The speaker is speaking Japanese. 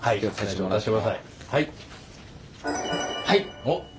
はい！